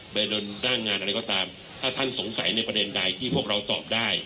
เดินหน้างานอะไรก็ตามถ้าท่านสงสัยในประเด็นใดที่พวกเราตอบได้